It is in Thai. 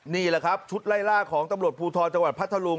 นี่แหละครับชุดไล่ล่าของตำรวจภูทรจังหวัดพัทธรุง